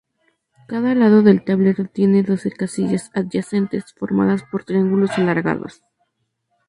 Cada lado del tablero tiene doce casillas adyacentes, formadas por triángulos alargados.